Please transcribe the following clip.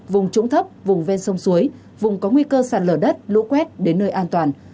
vùng trũng thấp vùng ven sông suối vùng có nguy cơ sạt lở đất lũ quét đến nơi an toàn